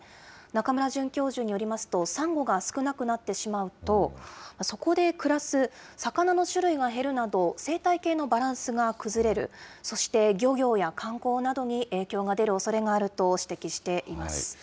中村准教授によりますと、サンゴが少なくなってしまうと、そこで暮らす魚の種類が減るなど、生態系のバランスが崩れる、そして漁業や観光などに影響が出るおそれがあると指摘しています。